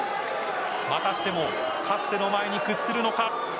またしてもカッセの前に屈するのか。